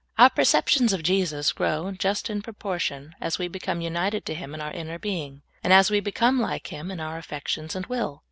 Our perceptions of Jesus grow just in proportion as we become united to Him in our inner being, and as we become like Him in our affections and will.